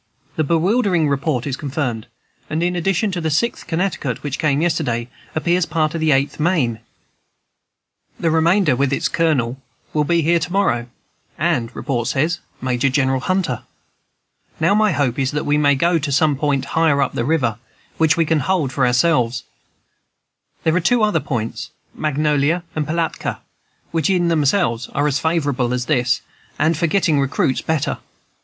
"The bewildering report is confirmed; and in addition to the Sixth Connecticut, which came yesterday, appears part of the Eighth Maine. The remainder, with its colonel, will be here to morrow, and, report says, Major General Hunter. Now my hope is that we may go to some point higher up the river, which we can hold for ourselves. There are two other points [Magnolia and Pilatka], which, in themselves, are as favorable as this, and, for getting recruits, better.